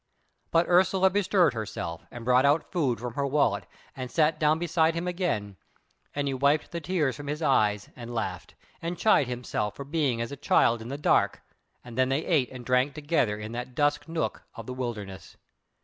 But Ursula bestirred herself and brought out food from her wallet, and sat down beside him again, and he wiped the tears from his eyes and laughed, and chid himself for being as a child in the dark, and then they ate and drank together in that dusk nook of the wilderness.